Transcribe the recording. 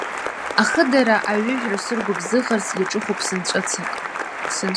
Ахыдара-аҩыжәра саргәыбзыӷырц иаҿыхуп сынцәыҵак.